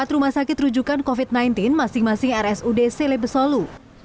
empat rumah sakit rujukan covid sembilan belas masing masing rsud selebesolu